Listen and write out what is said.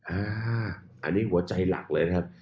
อันนี้หัวใจหลักเลยนะครับ